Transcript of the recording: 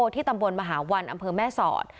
ที่ตำบลมหาวันอำเภอแม่สอด